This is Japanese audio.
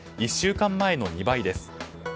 １週間前の２倍です。